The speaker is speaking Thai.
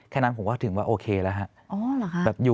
แค่นั้นผมก็ถึงว่าโอเคแล้วฮะ